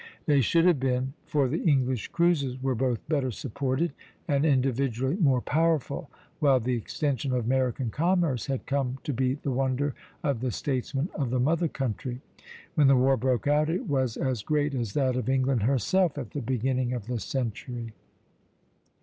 They should have been; for the English cruisers were both better supported and individually more powerful, while the extension of American commerce had come to be the wonder of the statesmen of the mother country. When the war broke out, it was as great as that of England herself at the beginning of the century.